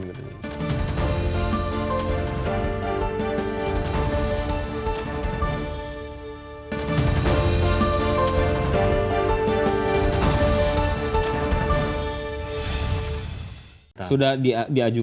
kami berharap kami berharap kami berharap